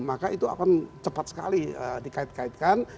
maka itu akan cepat sekali dikait kaitkan